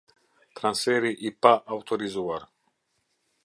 Transferi i pa autorizuar.